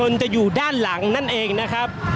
ก็น่าจะมีการเปิดทางให้รถพยาบาลเคลื่อนต่อไปนะครับ